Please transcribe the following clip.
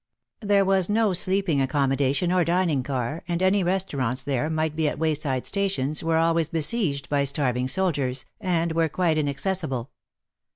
There was no sleeping accommodation or dining car, and any restaurants there might be at wayside stations were always besieged by starving soldiers, and were quite inaccessible.